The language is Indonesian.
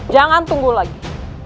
jangan tunggu lagi